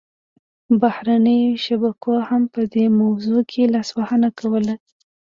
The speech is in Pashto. بهرنیو شبکو هم په دې موضوع کې لاسوهنه کوله